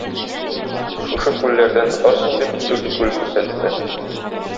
Шушы күлләрдән тотарсың, - дип дүрт күл күрсәтте.